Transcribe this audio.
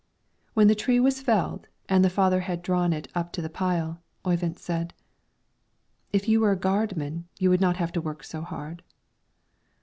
When the tree was felled and the father had drawn it up to the pile, Oyvind said, "If you were a gardman you would not have to work so hard."